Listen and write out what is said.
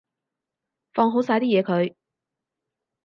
放好晒啲嘢佢